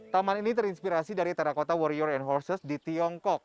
taman ini terinspirasi dari terakota warrior and horses di tiongkok